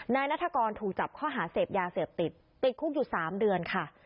นัฐกรถูกจับข้อหาเสพยาเสพติดติดคุกอยู่๓เดือนค่ะ